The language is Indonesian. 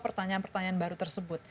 pertanyaan pertanyaan baru tersebut